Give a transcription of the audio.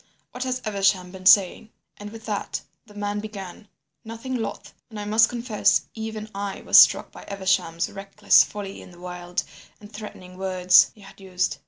What has Evesham been saying?' "And with that the man began, nothing loth, and I must confess even I was struck by Evesham's reckless folly in the wild and threatening words he had used.